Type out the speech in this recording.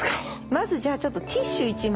まずじゃあちょっとティッシュ１枚。